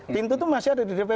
pintu tuh masih ada di dpp